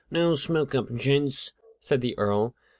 Now, smoke up, gents," said the Earl.